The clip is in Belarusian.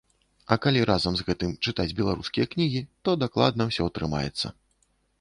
А калі разам з гэтым чытаць беларускія кнігі, то дакладна ўсё атрымаецца.